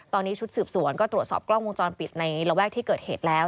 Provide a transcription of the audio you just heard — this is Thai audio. ตอนนี้ชุดสืบสวนก็ตรวจสอบกล้องวงจรปิดในระแวกที่เกิดเหตุแล้ว